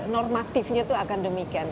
normatifnya itu akan demikian